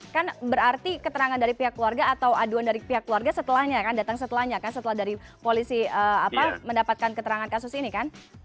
kan berarti keterangan dari pihak keluarga atau aduan dari pihak keluarga setelahnya kan datang setelahnya kan setelah dari polisi mendapatkan keterangan kasus ini kan